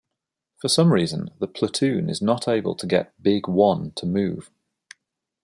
For some reason, the Platoon is not able to get Big One to move.